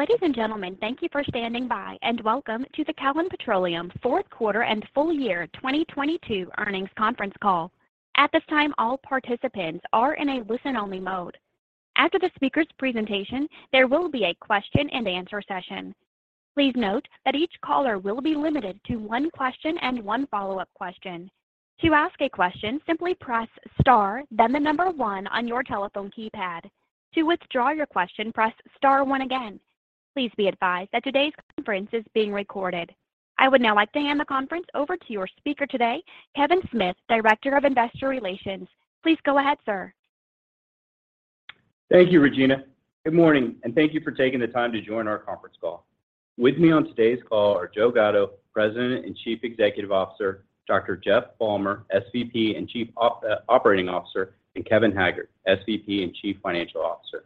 Ladies and gentlemen, thank you for standing by, and welcome to the Callon Petroleum Fourth Quarter and Full Year 2022 Earnings Conference Call. At this time, all participants are in a listen-only mode. After the speaker's presentation, there will be a question and answer session. Please note that each caller will be limited to one question and one follow-up question. To ask a question, simply press star then the number one on your telephone keypad. To withdraw your question, press star one again. Please be advised that today's conference is being recorded. I would now like to hand the conference over to your speaker today, Kevin Smith, Director of Investor Relations. Please go ahead, sir. Thank you Regina. Good morning, thank you for taking the time to join our conference call. With me on today's call are Joe Gatto, President and Chief Executive Officer, Dr. Jeff Balmer, SVP and Chief Operating Officer, and Kevin Haggarty, SVP and Chief Financial Officer.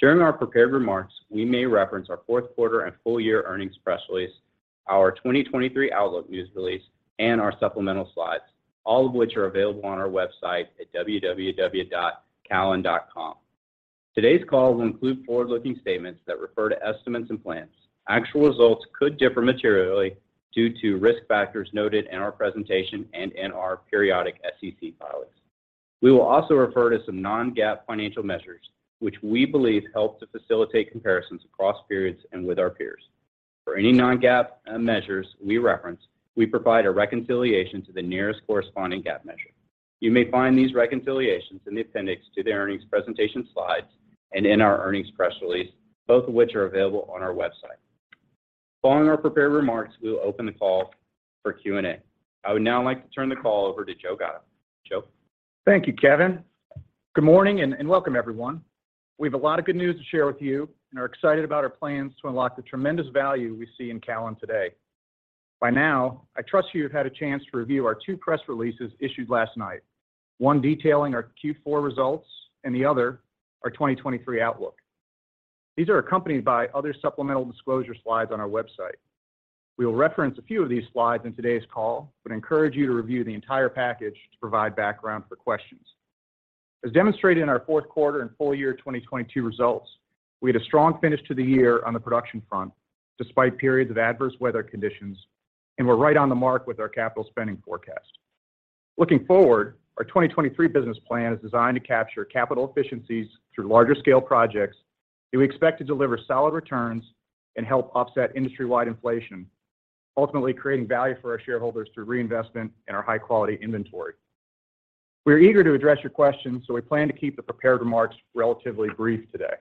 During our prepared remarks, we may reference our fourth quarter and full year earnings press release, our 2023 outlook news release, and our supplemental slides, all of which are available on our website at www.callon.com. Today's call will include forward-looking statements that refer to estimates and plans. Actual results could differ materially due to risk factors noted in our presentation and in our periodic SEC filings. We will also refer to some non-GAAP financial measures, which we believe help to facilitate comparisons across periods and with our peers. For any non-GAAP measures we reference, we provide a reconciliation to the nearest corresponding GAAP measure. You may find these reconciliations in the appendix to the earnings presentation slides and in our earnings press release, both of which are available on our website. Following our prepared remarks, we will open the call for Q&A. I would now like to turn the call over to Joe Gatto. Joe? Thank you Kevin. Good morning, and welcome everyone. We have a lot of good news to share with you and are excited about our plans to unlock the tremendous value we see in Callon today. By now, I trust you have had a chance to review our two press releases issued last night, one detailing our Q4 results and the other our 2023 outlook. These are accompanied by other supplemental disclosure slides on our website. We will reference a few of these slides in today's call, but encourage you to review the entire package to provide background for questions. As demonstrated in our fourth quarter and full year 2022 results, we had a strong finish to the year on the production front despite periods of adverse weather conditions, and we're right on the mark with our capital spending forecast. Looking forward, our 2023 business plan is designed to capture capital efficiencies through larger scale projects that we expect to deliver solid returns and help offset industry-wide inflation, ultimately creating value for our shareholders through reinvestment in our high-quality inventory. We're eager to address your questions, so we plan to keep the prepared remarks relatively brief today.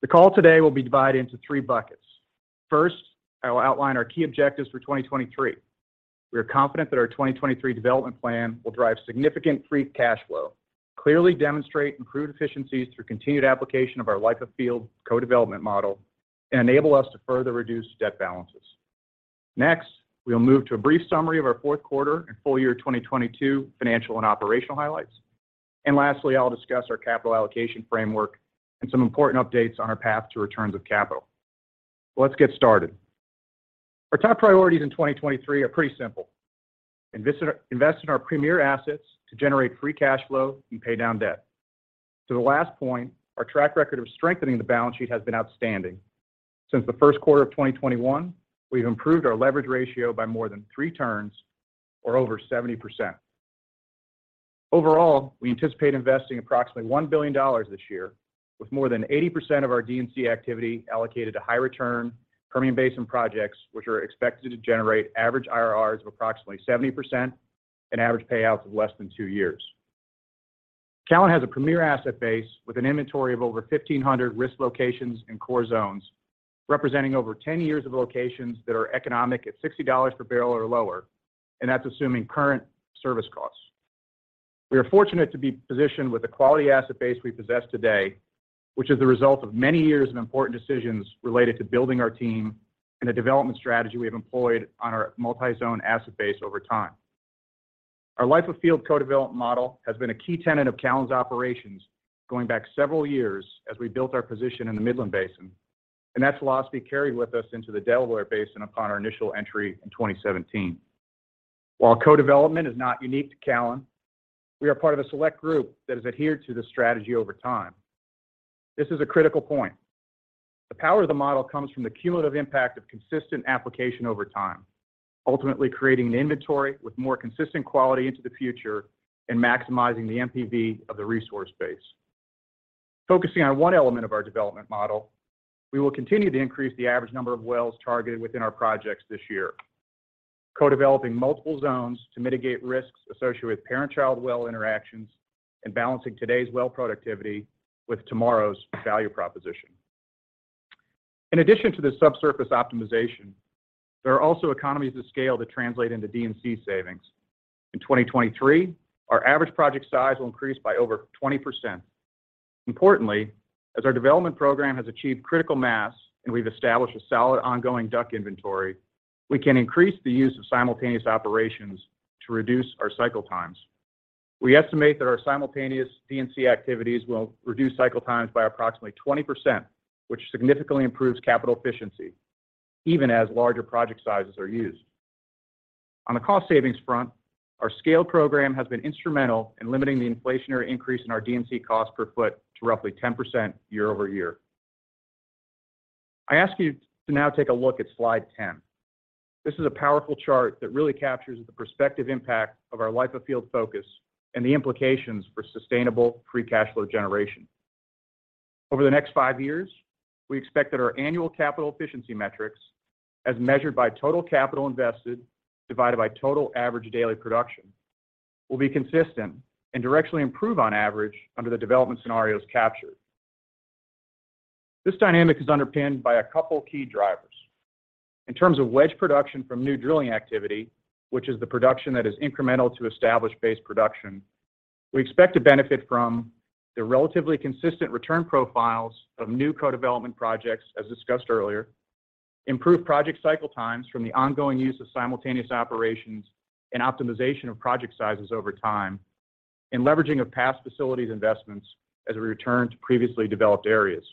The call today will be divided into three buckets. First, I will outline our key objectives for 2023. We are confident that our 2023 development plan will drive significant free cash flow, clearly demonstrate improved efficiencies through continued application of our Life of Field co-development model, and enable us to further reduce debt balances. Next, we'll move to a brief summary of our fourth quarter and full year 2022 financial and operational highlights. Lastly, I'll discuss our capital allocation framework and some important updates on our path to returns of capital. Let's get started. Our top priorities in 2023 are pretty simple. Invest in our premier assets to generate free cash flow and pay down debt. To the last point, our track record of strengthening the balance sheet has been outstanding. Since the first quarter of 2021, we've improved our leverage ratio by more than three turns or over 70%. Overall, we anticipate investing approximately $1 billion this year with more than 80% of our D&C activity allocated to high return Permian Basin projects, which are expected to generate average IRRs of approximately 70% and average payouts of less than two years. Callon has a premier asset base with an inventory of over 1,500 risk locations and core zones, representing over 10 years of locations that are economic at $60 per barrel or lower, that's assuming current service costs. We are fortunate to be positioned with the quality asset base we possess today, which is the result of many years of important decisions related to building our team and the development strategy we have employed on our multi-zone asset base over time. Our Life of Field co-development model has been a key tenet of Callon's operations going back several years as we built our position in the Midland Basin, that philosophy carried with us into the Delaware Basin upon our initial entry in 2017. While co-development is not unique to Callon, we are part of a select group that has adhered to this strategy over time. This is a critical point. The power of the model comes from the cumulative impact of consistent application over time, ultimately creating an inventory with more consistent quality into the future and maximizing the NPV of the resource base. Focusing on one element of our development model, we will continue to increase the average number of wells targeted within our projects this year, co-developing multiple zones to mitigate risks associated with parent-child well interactions and balancing today's well productivity with tomorrow's value proposition. In addition to the subsurface optimization, there are also economies of scale that translate into D&C savings. In 2023, our average project size will increase by over 20%. Importantly, as our development program has achieved critical mass and we've established a solid ongoing DUC inventory, we can increase the use of simultaneous operations to reduce our cycle times. We estimate that our simultaneous D&C activities will reduce cycle times by approximately 20%, which significantly improves capital efficiency even as larger project sizes are used. On the cost savings front, our scale program has been instrumental in limiting the inflationary increase in our D&C cost per foot to roughly 10% year-over-year. I ask you to now take a look at slide 10. This is a powerful chart that really captures the prospective impact of our life of field focus and the implications for sustainable free cash flow generation. Over the next five years, we expect that our annual capital efficiency metrics, as measured by total capital invested divided by total average daily production, will be consistent and directly improve on average under the development scenarios captured. This dynamic is underpinned by a couple key drivers. In terms of wedge production from new drilling activity, which is the production that is incremental to established base production, we expect to benefit from the relatively consistent return profiles of new co-development projects, as discussed earlier, improve project cycle times from the ongoing use of simultaneous operations and optimization of project sizes over time, and leveraging of past facilities investments as we return to previously developed areas.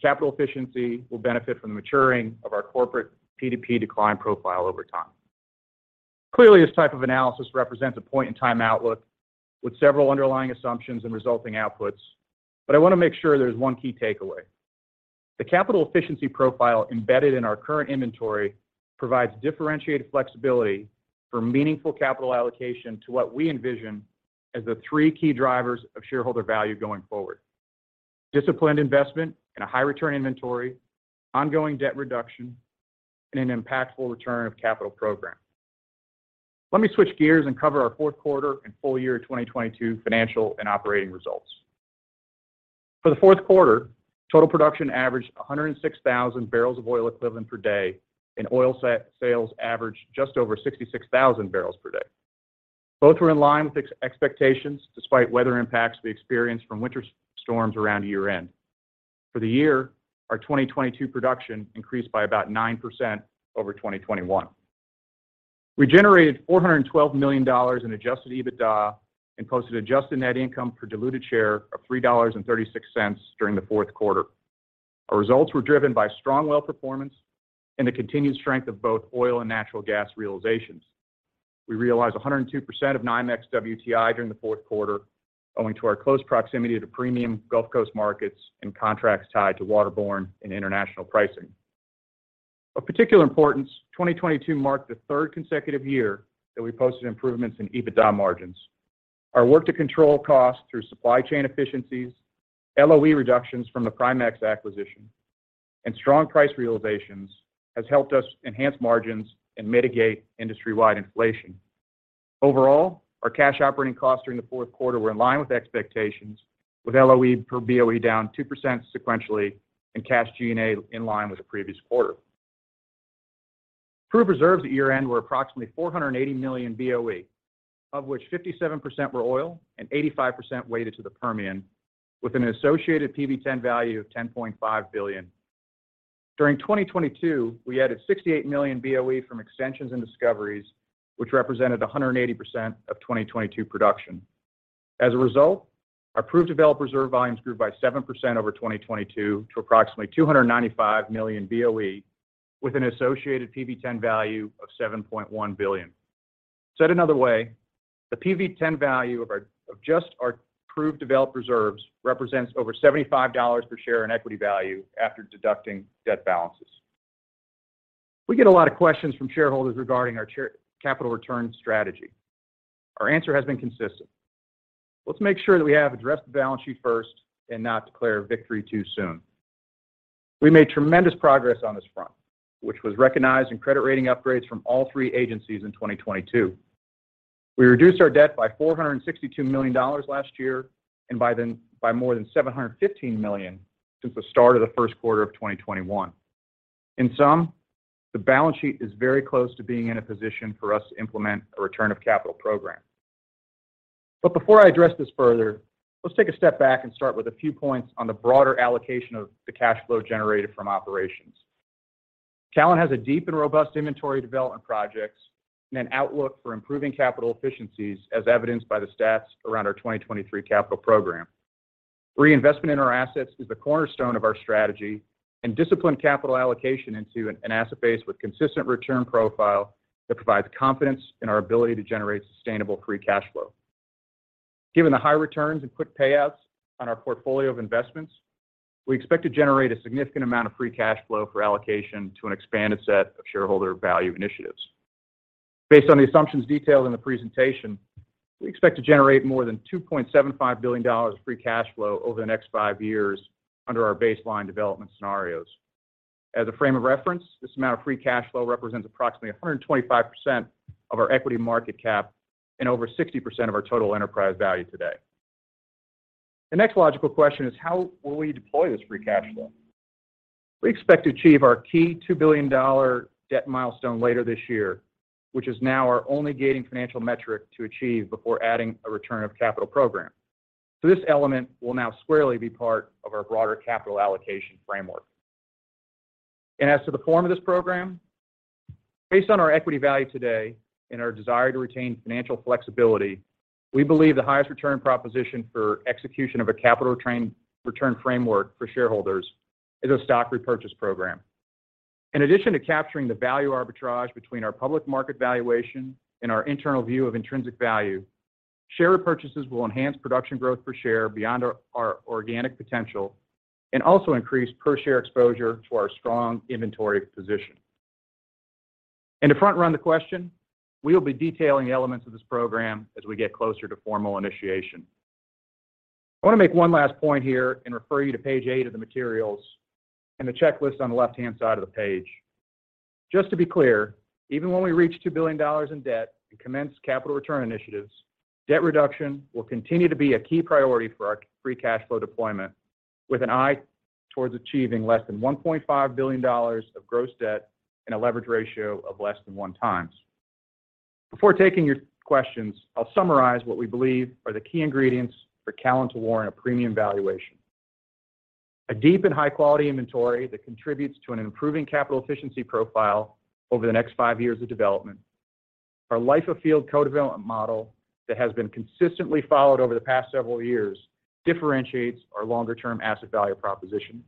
Capital efficiency will benefit from the maturing of our corporate PDP decline profile over time. Clearly, this type of analysis represents a point-in-time outlook with several underlying assumptions and resulting outputs, but I want to make sure there's one key takeaway. The capital efficiency profile embedded in our current inventory provides differentiated flexibility for meaningful capital allocation to what we envision as the three key drivers of shareholder value going forward. Disciplined investment in a high return inventory, ongoing debt reduction, and an impactful return of capital program. Let me switch gears and cover our fourth quarter and full year 2022 financial and operating results. For the fourth quarter, total production averaged 106,000 barrels of oil equivalent per day, and oil sales averaged just over 66,000 barrels per day. Both were in line with expectations despite weather impacts we experienced from winter storms around year-end. For the year, our 2022 production increased by about 9% over 2021. We generated $412 million in adjusted EBITDA and posted adjusted net income per diluted share of $3.36 during the fourth quarter. Our results were driven by strong well performance and the continued strength of both oil and natural gas realizations. We realized 102% of NYMEX WTI during the fourth quarter owing to our close proximity to premium Gulf Coast markets and contracts tied to waterborne and international pricing. Of particular importance, 2022 marked the third consecutive year that we posted improvements in EBITDA margins. Our work to control costs through supply chain efficiencies, LOE reductions from the Primexx acquisition, and strong price realizations has helped us enhance margins and mitigate industry-wide inflation. Overall, our cash operating costs during the fourth quarter were in line with expectations, with LOE per BOE down 2% sequentially and cash G&A in line with the previous quarter. Proved reserves at year-end were approximately 480 million BOE, of which 57% were oil and 85% weighted to the Permian, with an associated PV-10 value of $10.5 billion. During 2022, we added 68 million BOE from extensions and discoveries, which represented 180% of 2022 production. As a result, our proved developed reserve volumes grew by 7% over 2022 to approximately 295 million BOE, with an associated PV-10 value of $7.1 billion. Said another way, the PV-10 value of just our proved developed reserves represents over $75 per share in equity value after deducting debt balances. We get a lot of questions from shareholders regarding our capital return strategy. Our answer has been consistent. Let's make sure that we have addressed the balance sheet first and not declare victory too soon. We made tremendous progress on this front, which was recognized in credit rating upgrades from all three agencies in 2022. We reduced our debt by $462 million last year, and by then, by more than $715 million since the start of the first quarter of 2021. Before I address this further, let's take a step back and start with a few points on the broader allocation of the cash flow generated from operations. Callon has a deep and robust inventory development projects and an outlook for improving capital efficiencies as evidenced by the stats around our 2023 capital program. Reinvestment in our assets is the cornerstone of our strategy and disciplined capital allocation into an asset base with consistent return profile that provides confidence in our ability to generate sustainable free cash flow. Given the high returns and quick payouts on our portfolio of investments, we expect to generate a significant amount of free cash flow for allocation to an expanded set of shareholder value initiatives. Based on the assumptions detailed in the presentation, we expect to generate more than $2.75 billion of free cash flow over the next five years under our baseline development scenarios. As a frame of reference, this amount of free cash flow represents approximately 125% of our equity market cap and over 60% of our total enterprise value today. The next logical question is: how will we deploy this free cash flow? We expect to achieve our key $2 billion debt milestone later this year, which is now our only gating financial metric to achieve before adding a return of capital program. This element will now squarely be part of our broader capital allocation framework. As to the form of this program, based on our equity value today and our desire to retain financial flexibility, we believe the highest return proposition for execution of a capital return framework for shareholders is a stock repurchase program. In addition to capturing the value arbitrage between our public market valuation and our internal view of intrinsic value, share repurchases will enhance production growth per share beyond our organic potential and also increase per share exposure to our strong inventory position. To front run the question, we'll be detailing elements of this program as we get closer to formal initiation. I want to make one last point here and refer you to page 8 of the materials and the checklist on the left-hand side of the page. Just to be clear, even when we reach $2 billion in debt and commence capital return initiatives, debt reduction will continue to be a key priority for our free cash flow deployment with an eye towards achieving less than $1.5 billion of gross debt and a leverage ratio of less than 1x. Before taking your questions, I'll summarize what we believe are the key ingredients for Callon to warrant a premium valuation. A deep and high-quality inventory that contributes to an improving capital efficiency profile over the next five years of development. Our Life of Field co-development model that has been consistently followed over the past several years differentiates our longer term asset value proposition.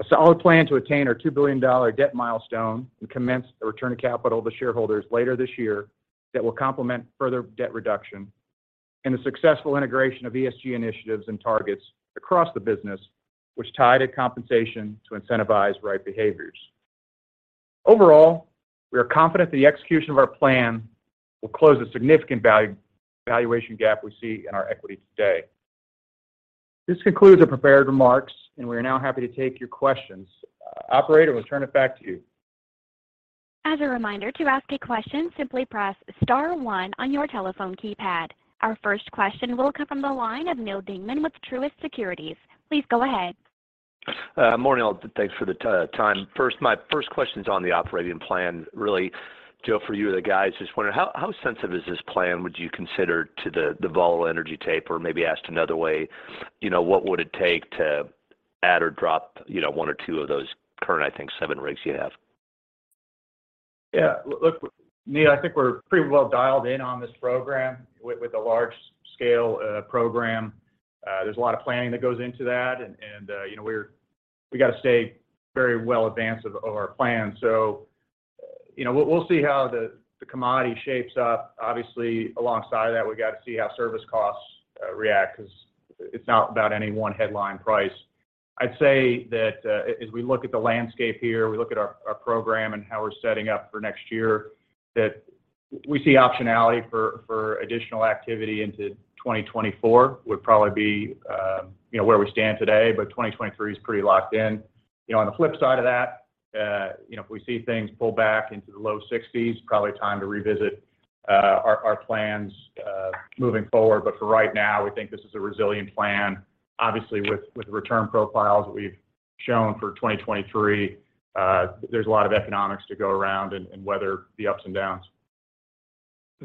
A solid plan to attain our $2 billion debt milestone and commence the return of capital to shareholders later this year that will complement further debt reduction. The successful integration of ESG initiatives and targets across the business, which tie to compensation to incentivize right behaviors. Overall, we are confident that the execution of our plan will close a significant valuation gap we see in our equity today. This concludes our prepared remarks, and we are now happy to take your questions. Operator, we'll turn it back to you. As a reminder, to ask a question, simply press star one on your telephone keypad. Our first question will come from the line of Neal Dingmann with Truist Securities. Please go ahead. Morning all. Thanks for the time. My first question's on the operating plan. Really, Joe, for you or the guys, just wondering how sensitive is this plan, would you consider, to the volatile energy tape? Or maybe asked another way, you know, what would it take to add or drop, you know, one or two of those current, I think, 7 rigs you have? Look, Neal, I think we're pretty well dialed in on this program. With a large scale program, there's a lot of planning that goes into that and, you know, we gotta stay very well advanced of our plan. You know, we'll see how the commodity shapes up. Obviously, alongside that, we've got to see how service costs react 'cause it's not about any one headline price. I'd say that as we look at the landscape here, we look at our program and how we're setting up for next year, that we see optionality for additional activity into 2024 would probably be, you know, where we stand today, but 2023 is pretty locked in. You know, on the flip side of that, you know, if we see things pull back into the low 60s, probably time to revisit, our plans, moving forward. For right now, we think this is a resilient plan. Obviously, with return profiles we've shown for 2023, there's a lot of economics to go around and weather the ups and downs.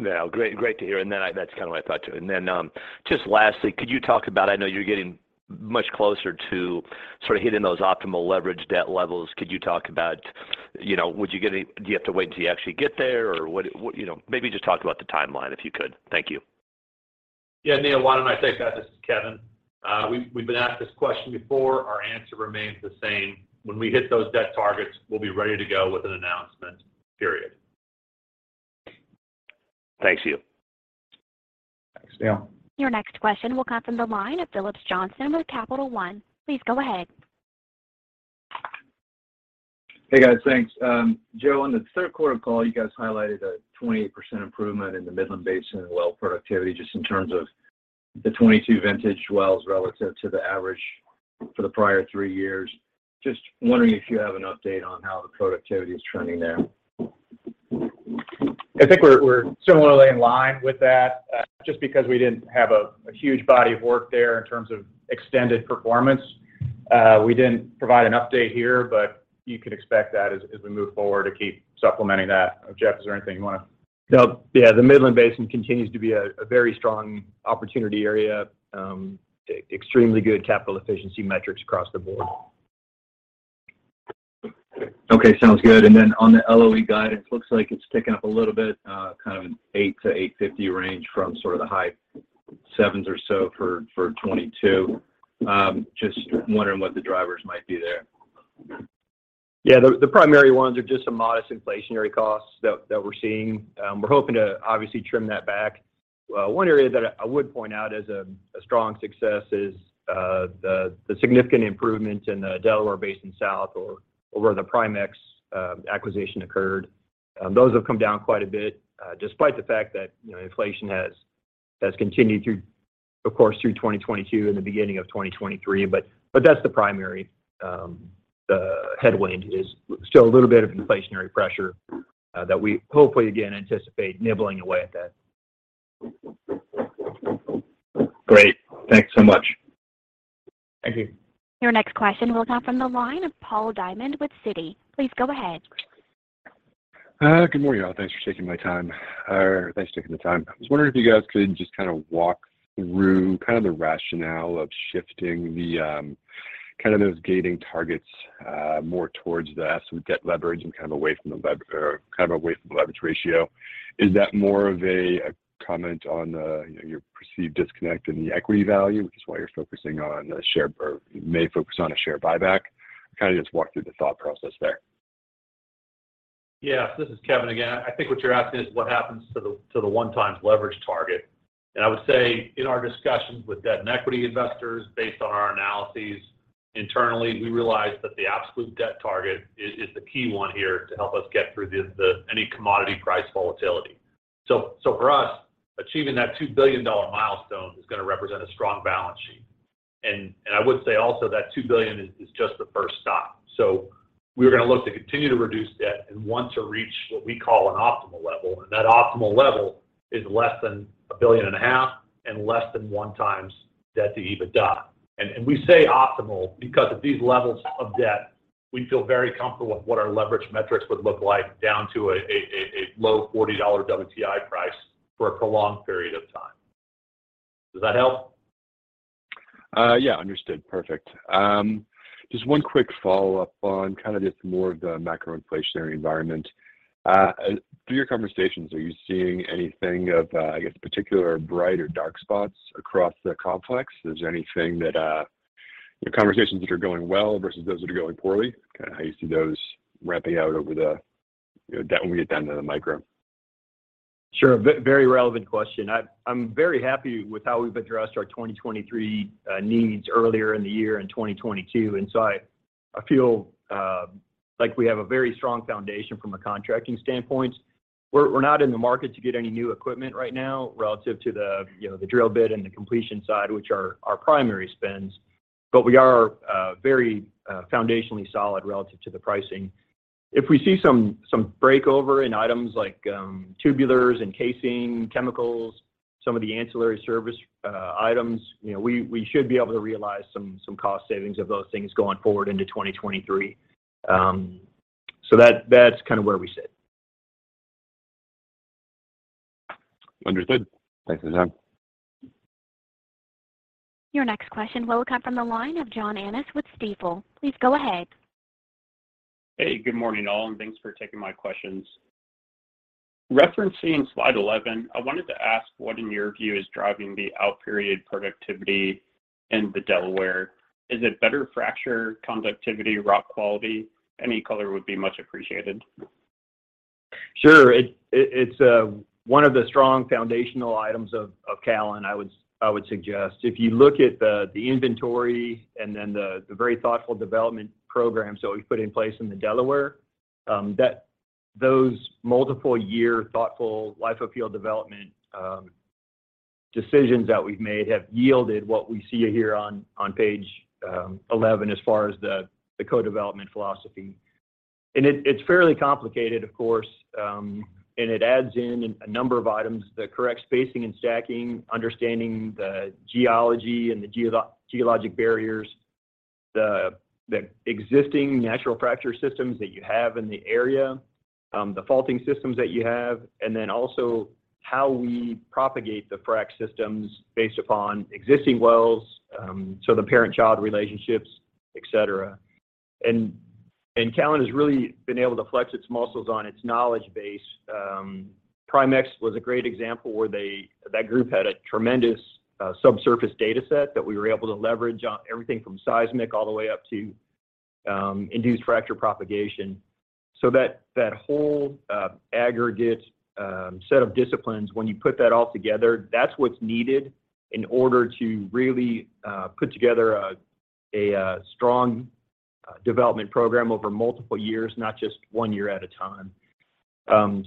Yeah. Great to hear. Then, that's kind of what I thought, too. Then, just lastly, could you talk about I know you're getting much closer to sort of hitting those optimal leverage debt levels. Could you talk about, you know, do you have to wait until you actually get there? What? You know, maybe just talk about the timeline, if you could. Thank you. Neal, why don't I take that? This is Kevin. We've been asked this question before. Our answer remains the same. When we hit those debt targets, we'll be ready to go with an announcement, period. Thanks you. Thanks Neal. Your next question will come from the line of Phillips Johnston with Capital One. Please go ahead. Hey, guys. Thanks. Joe, on the third quarter call, you guys highlighted a 28% improvement in the Midland Basin well productivity just in terms of the 2022 vintage wells relative to the average for the prior three years. Just wondering if you have an update on how the productivity is trending there. I think we're similarly in line with that. Just because we didn't have a huge body of work there in terms of extended performance, we didn't provide an update here, but you can expect that as we move forward to keep supplementing that. Jeff, is there anything you wanna? No. Yeah, the Midland Basin continues to be a very strong opportunity area. Extremely good capital efficiency metrics across the board. Okay. Sounds good. On the LOE guidance, looks like it's ticking up a little bit, kind of an $8-$8.50 range from sort of the high sevens or so for 2022. Just wondering what the drivers might be there. Yeah. The primary ones are just some modest inflationary costs that we're seeing. We're hoping to obviously trim that back. One area that I would point out as a strong success is the significant improvement in the Delaware Basin South or where the Primexx acquisition occurred. Those have come down quite a bit, despite the fact that, you know, inflation has continued through, of course, through 2022 and the beginning of 2023. That's the primary headwind is still a little bit of inflationary pressure that we hopefully, again, anticipate nibbling away at that. Great. Thanks so much. Thank you. Your next question will come from the line of Paul Diamond with Citi. Please go ahead. Good morning, all. Thanks for taking the time. I was wondering if you guys could just kind of walk through the rationale of shifting kind of those gating targets more towards the asset debt leverage and kind of away from the leverage ratio. Is that more of a comment on, you know, your perceived disconnect in the equity value, which is why you're focusing on a share buyback? Kind of just walk through the thought process there. Yeah, this is Kevin again. I think what you're asking is what happens to the one times leverage target. I would say in our discussions with debt and equity investors based on our analyses internally, we realize that the absolute debt target is the key one here to help us get through the any commodity price volatility. For us, achieving that $2 billion milestone is gonna represent a strong balance sheet. I would say also that $2 billion is just the first stop. We're gonna look to continue to reduce debt and want to reach what we call an optimal level. That optimal level is less than $1.5 billion and less than one times debt to EBITDA. We say optimal because at these levels of debt, we feel very comfortable with what our leverage metrics would look like down to a low $40 WTI price for a prolonged period of time. Does that help? Yeah. Understood. Perfect. Just one quick follow-up on kind of just more of the macro inflationary environment. Through your conversations, are you seeing anything of, I guess particular bright or dark spots across the complex? Is there anything that, conversations that are going well versus those that are going poorly, kind of how you see those ramping out over the, you know, when we get down to the micro? Sure. Very relevant question. I'm very happy with how we've addressed our 2023 needs earlier in the year in 2022. I feel like we have a very strong foundation from a contracting standpoint. We're not in the market to get any new equipment right now relative to the, you know, the drill bit and the completion side, which are our primary spends. We are very foundationally solid relative to the pricing. If we see some break over in items like tubulars and casing, chemicals, some of the ancillary service items, you know, we should be able to realize some cost savings of those things going forward into 2023. That's kind of where we sit. Understood. Thanks for your time. Your next question will come from the line of John Annis with Stifel. Please go ahead. Hey, good morning all, and thanks for taking my questions. Referencing slide 11, I wanted to ask what in your view is driving the out period productivity in the Delaware. Is it better fracture conductivity, rock quality? Any color would be much appreciated. Sure. It's one of the strong foundational items of Callon, I would suggest. If you look at the inventory and then the very thoughtful development program. We put in place in the Delaware, that those multiple year thoughtful life of field development decisions that we've made have yielded what we see here on page 11 as far as the co-development philosophy. It's fairly complicated, of course, and it adds in a number of items, the correct spacing and stacking, understanding the geology and the geologic barriers, the existing natural fracture systems that you have in the area, the faulting systems that you have, and then also how we propagate the frack systems based upon existing wells, so the parent-child relationships, et cetera. Callon has really been able to flex its muscles on its knowledge base. Primexx was a great example where that group had a tremendous subsurface data set that we were able to leverage on everything from seismic all the way up to induced fracture propagation. That whole aggregate set of disciplines, when you put that all together, that's what's needed in order to really put together a strong development program over multiple years, not just one year at a time.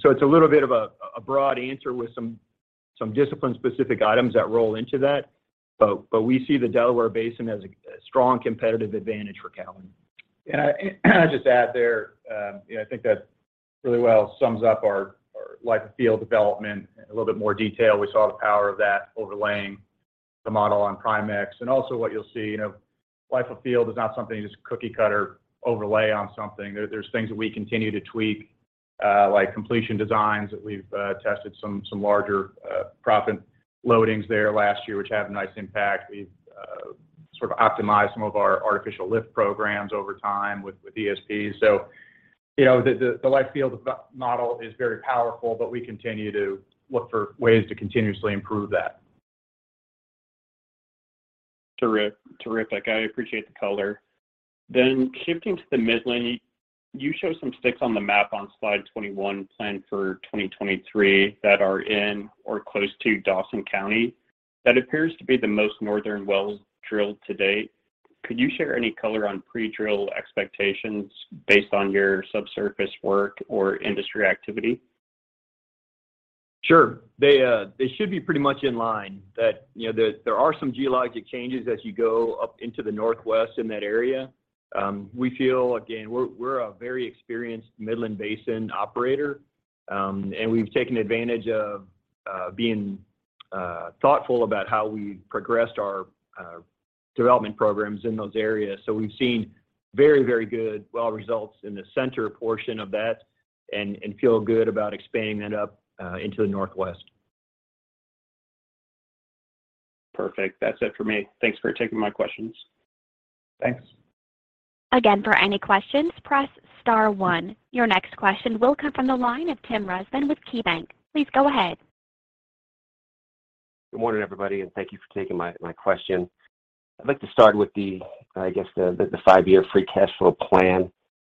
It's a little bit of a broad answer with some discipline specific items that roll into that, we see the Delaware Basin as a strong competitive advantage for Callon. Just add there, you know, I think that really well sums up our life of field development in a little bit more detail. We saw the power of that overlaying the model on Primexx. What you'll see, you know, life of field is not something you just cookie cutter overlay on something. There's things that we continue to tweak, like completion designs that we've tested some larger proppant loadings there last year, which had a nice impact. We've sort of optimized some of our artificial lift programs over time with ESPs. You know, the life of field development model is very powerful, but we continue to look for ways to continuously improve that. Terrific. I appreciate the color. Shifting to the Midland, you show some sticks on the map on slide 21 planned for 2023 that are in or close to Dawson County. That appears to be the most northern wells drilled to date. Could you share any color on pre-drill expectations based on your subsurface work or industry activity? Sure. They should be pretty much in line that, you know, there are some geologic changes as you go up into the Northwest in that area. We feel, again, we're a very experienced Midland Basin operator, and we've taken advantage of being thoughtful about how we progressed our development programs in those areas. We've seen very, very good well results in the center portion of that and feel good about expanding that up into the Northwest. Perfect. That's it for me. Thanks for taking my questions. Thanks. Again, for any questions, press star one. Your next question will come from the line of Tim Rezvan with KeyBank. Please go ahead. Good morning, everybody, and thank you for taking my question. I'd like to start with the, I guess the five-year free cash flow plan.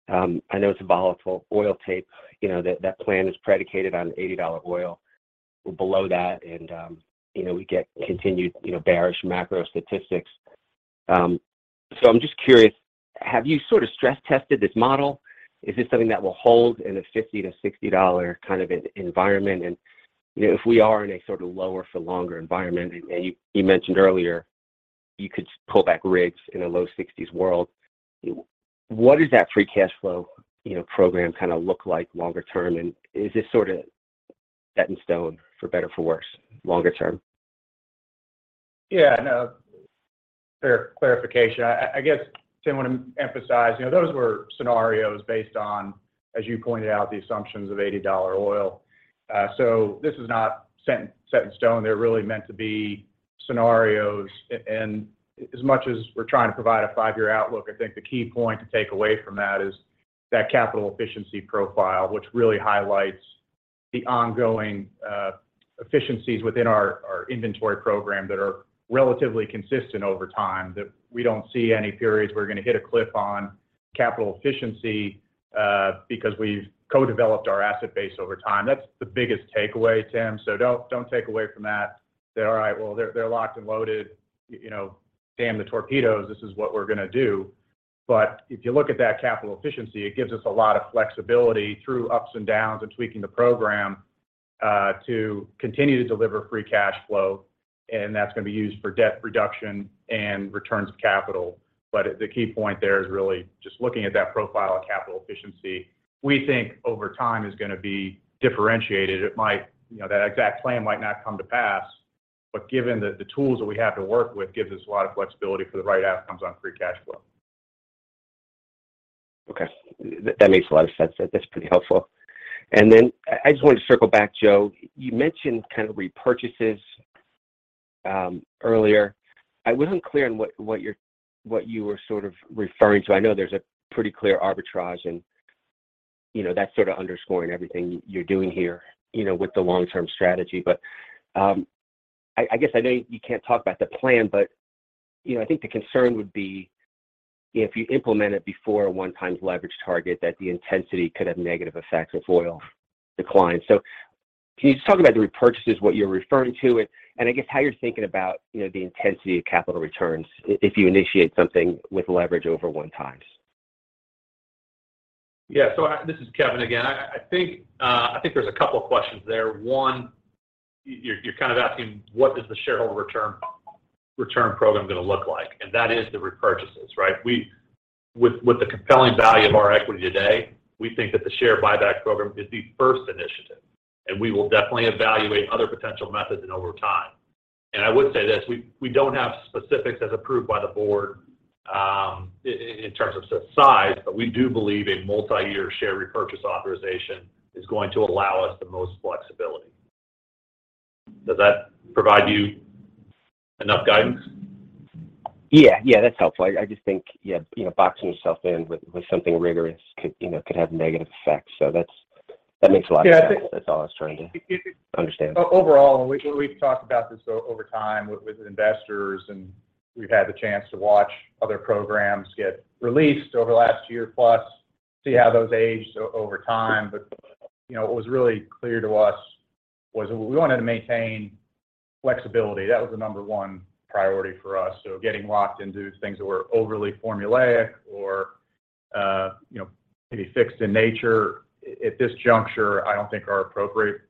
I know it's a volatile oil tape. You know, that plan is predicated on $80 oil below that. We get continued, you know, bearish macro statistics. I'm just curious, have you sort of stress-tested this model? Is this something that will hold in a $50-$60 kind of environment? If we are in a sort of lower for longer environment, and you mentioned earlier you could pull back rigs in a low $60s world, what does that free cash flow, you know, program kind of look like longer term? Is this sort of set in stone for better or for worse longer term? Yeah, no. Clarification. I guess Tim would emphasize, you know, those were scenarios based on, as you pointed out, the assumptions of $80 oil. This is not set in stone. They're really meant to be scenarios. As much as we're trying to provide a five-year outlook, I think the key point to take away from that is that capital efficiency profile, which really highlights the ongoing efficiencies within our inventory program that are relatively consistent over time, that we don't see any periods we're gonna hit a cliff on capital efficiency, because we've co-developed our asset base over time. That's the biggest takeaway, Tim. Don't take away from that, say, "All right, well, they're locked and loaded, you know, damn the torpedoes. This is what we're gonna do. If you look at that capital efficiency, it gives us a lot of flexibility through ups and downs and tweaking the program, to continue to deliver free cash flow, and that's gonna be used for debt reduction and returns of capital. The key point there is really just looking at that profile of capital efficiency, we think over time is gonna be differentiated. You know, that exact plan might not come to pass, but given that the tools that we have to work with gives us a lot of flexibility for the right outcomes on free cash flow. Okay. That makes a lot of sense. That's pretty helpful. I just wanted to circle back, Joe. You mentioned kind of repurchases earlier. I wasn't clear on what you were sort of referring to. I know there's a pretty clear arbitrage and, you know, that's sort of underscoring everything you're doing here, you know, with the long-term strategy. I guess I know you can't talk about the plan, but, you know, I think the concern would be if you implement it before a 1 times leverage target that the intensity could have negative effects if oil declines. Can you just talk about the repurchases, what you're referring to, and I guess how you're thinking about, you know, the intensity of capital returns if you initiate something with leverage over 1x? This is Kevin again. I think, I think there's a couple of questions there. One, you're kind of asking what is the shareholder return program gonna look like, and that is the repurchases, right? With the compelling value of our equity today, we think that the share buyback program is the first initiative, and we will definitely evaluate other potential methods and over time. I would say this, we don't have specifics as approved by the board, in terms of size, but we do believe a multi-year share repurchase authorization is going to allow us the most flexibility. Does that provide you enough guidance? Yeah. Yeah, that's helpful. I just think, yeah, you know, boxing yourself in with something rigorous could, you know, could have negative effects. That makes a lot of sense. Yeah. That's all I was trying to understand. Overall, we've talked about this over time with investors, we've had the chance to watch other programs get released over the last year plus, see how those aged over time. You know, what was really clear to us was we wanted to maintain flexibility. That was the number one priority for us. Getting locked into things that were overly formulaic or, you know, maybe fixed in nature at this juncture, I don't think are appropriate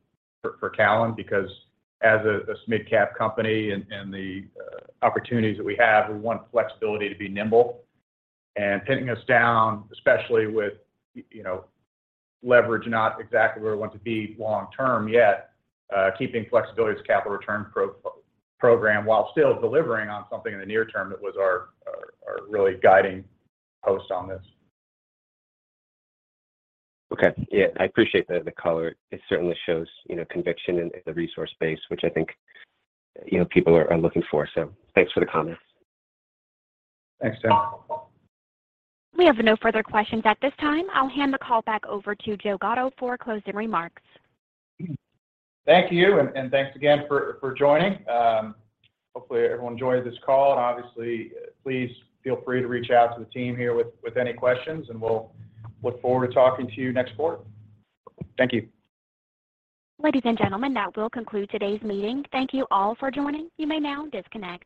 for Callon because as a midcap company and the opportunities that we have, we want flexibility to be nimble. Pinning us down, especially with, you know, leverage not exactly where we want to be long term yet, keeping flexibility as a capital return program while still delivering on something in the near term, that was our really guiding post on this. Okay. Yeah, I appreciate the color. It certainly shows, you know, conviction in the resource base, which I think, you know, people are looking for. Thanks for the comments. Thanks Tim. We have no further questions at this time. I'll hand the call back over to Joe Gatto for closing remarks. Thank you, and thanks again for joining. Hopefully everyone enjoyed this call. Obviously, please feel free to reach out to the team here with any questions, and we'll look forward to talking to you next quarter. Thank you. Ladies and gentlemen, that will conclude today's meeting. Thank you all for joining. You may now disconnect.